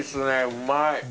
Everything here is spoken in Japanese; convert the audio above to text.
うまい。